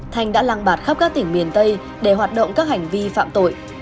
thanh đã lăng bạt khắp các tỉnh miền tây để hoạt động các hành vi phạm tội